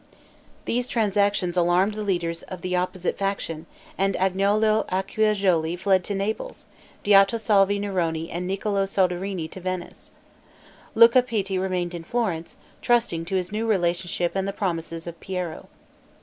These transactions alarmed the leaders of the opposite faction, and Agnolo Acciajuoli fled to Naples, Diotisalvi Neroni and Niccolo Soderini to Venice. Luca Pitti remained in Florence, trusting to his new relationship and the promises of Piero.